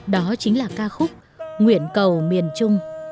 đó chính là ca khúc nguyễn cầu miền trung